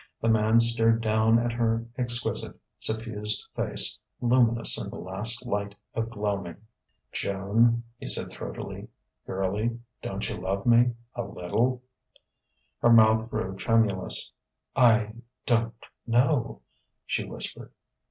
The man stared down at her exquisite, suffused face, luminous in the last light of gloaming. "Joan," he said throatily "girlie, don't you love me a little?" Her mouth grew tremulous. "I ... don't ... know," she whispered.